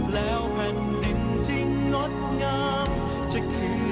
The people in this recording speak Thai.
และจงไว้ใจ